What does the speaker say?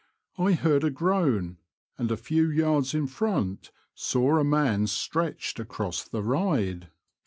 I heard a groan, and a few yards in front saw a man stretched across the ride.